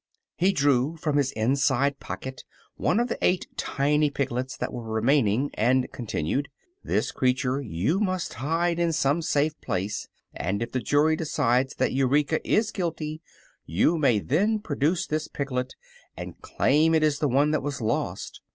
He drew from his inside pocket one of the eight tiny piglets that were remaining and continued: "This creature you must hide in some safe place, and if the jury decides that Eureka is guilty you may then produce this piglet and claim it is the one that was lost.